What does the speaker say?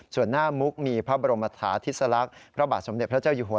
ส่วนหน้ามุกมีพระบรมธาทิศลักษณ์พระบาทสมเด็จพระเจ้าอยู่หัว